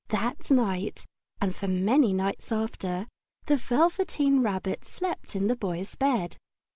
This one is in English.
That night, and for many nights after, the Velveteen Rabbit slept in the Boy's bed.